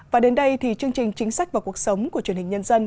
và đến đây thì chương trình chính sách và cuộc sống của truyền hình nhân dân